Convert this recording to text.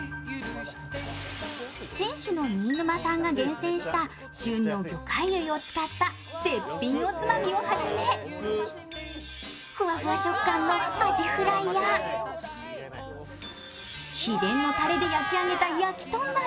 店主の新沼さんが厳選した旬の魚介類を使った絶品おつまみをはじめ、ふわふわ食感のアジフライや秘伝のたれで焼き上げたやきとんなど、